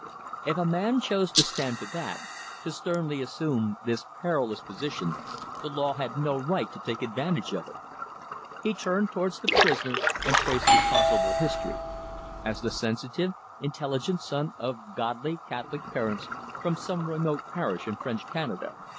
If a man chose to stand to that, to sternly assume this perilous position, the law had no right to take advantage of it. He turned towards the prisoner and traced his possible history: as the sensitive, intelligent son of godly Catholic parents from some remote parish in French Canada.